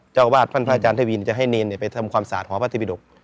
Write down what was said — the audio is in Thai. เจ้าบาทพันธ์พระอาจารย์เทพีจะให้เนรไปทำความศาสตร์หอพระไตยปิดก